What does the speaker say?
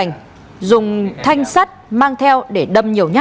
trường phố ba thành phố tây ninh